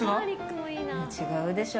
違うでしょ。